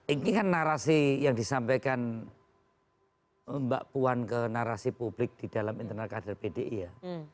ini kan narasi yang disampaikan mbak puan ke narasi publik di dalam internal kader pdi ya